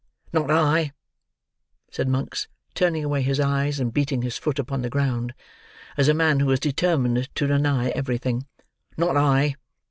"Not I," said Monks, turning away his eyes and beating his foot upon the ground, as a man who is determined to deny everything. "Not I."